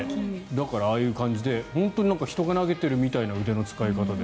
だから、ああいう感じで人が投げているみたいな感じの腕の使い方で。